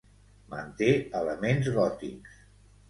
Manté elements gòtics.